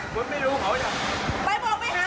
ไม่เปิดใช่มั้ยประตูแล้ว